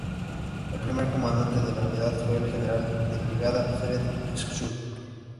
El primer comandante de la unidad fue el general de brigada Fred Schulz.